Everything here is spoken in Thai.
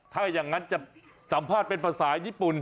ถ้าอย่างนั้นจะสัมภาษณ์เป็นภาษาญี่ปุ่น